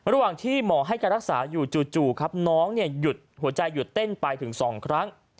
ระหว่างที่หมอให้การรักษาอยู่จู่ครับน้องหยุดหัวใจหยุดเต้นไปถึง๒ครั้ง